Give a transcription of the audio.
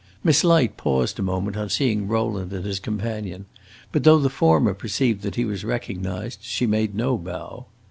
Miss Light paused a moment on seeing Rowland and his companion; but, though the former perceived that he was recognized, she made no bow.